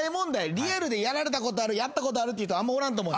リアルでやられたことあるやったことあるっていう人あんまおらんと思う。